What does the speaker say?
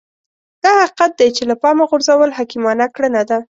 دا حقيقت دی چې له پامه غورځول حکيمانه کړنه ده.